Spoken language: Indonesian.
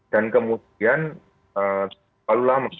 dan kemudian ee terlalu lama